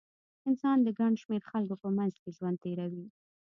انسان د ګڼ شمېر خلکو په منځ کې ژوند تېروي.